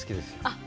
あっ。